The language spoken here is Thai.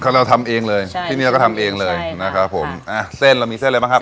เราทำเองเลยใช่ที่เนี้ยก็ทำเองเลยนะครับผมอ่าเส้นเรามีเส้นอะไรบ้างครับ